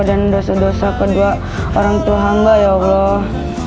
dan dosa dosa kedua orang tuhan ya allah